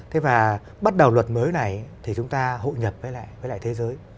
thế và bắt đầu luật mới này thì chúng ta hội nhập với lại thế giới